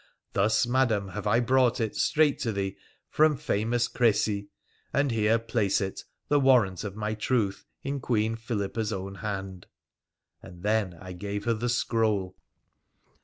Thus, Madam, have I brought it straight to thee from famous Crecy, and here place it, the warrant of my truth, in Queen Philippa's own hand.' And then I gave her the scroll.